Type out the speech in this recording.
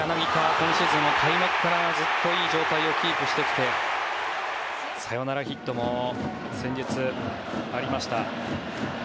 今シーズンは開幕からずっといい状態をキープしてきてサヨナラヒットも先日ありました。